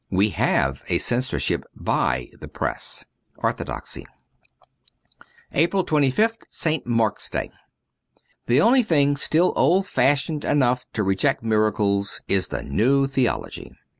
We have a censor ship by the Press. ' Orthodoxy: 124 APRIL 25th ST MARK'S DAY THE only thing still old fashioned enough to reject miracles is the New Theology.